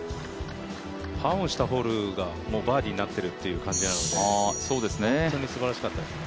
パーオンしたホールがバーディーになっているという感じなので本当にすばらしかったですね。